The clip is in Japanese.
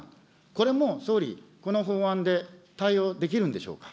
これも総理、この法案で対応できるんでしょうか。